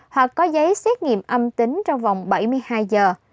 hoặc có giấy xét nghiệm âm tính trong vòng bảy mươi hai giờ